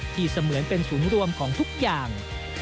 เสมือนเป็นศูนย์รวมของทุกอย่าง